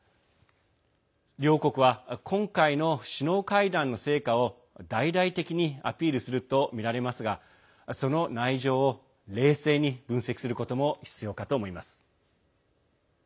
両国は今回の首脳会談の成果を大々的にアピールするとみられますがその内情を冷静に分析することも必要かと思います。